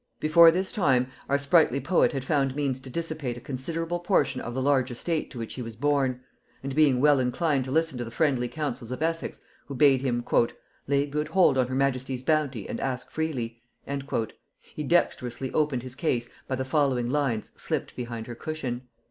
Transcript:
Before this time our sprightly poet had found means to dissipate a considerable portion of the large estate to which he was born; and being well inclined to listen to the friendly counsels of Essex, who bade him, "lay good hold on her majesty's bounty and ask freely," he dexterously opened his case by the following lines slipped behind her cushion.